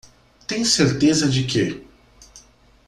Tem certeza de que?